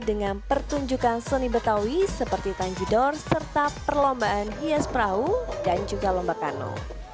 dengan pertunjukan seni betawi seperti tanjudor serta perlombaan hias perahu dan juga lomba kano